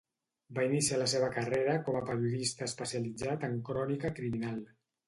Va iniciar la seva carrera com a periodista especialitzat en crònica criminal.